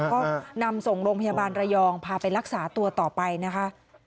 ก็นำส่งโรงพยาบาลระยองพาไปรักษาตัวต่อไปนะคะ